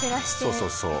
そうそうそう。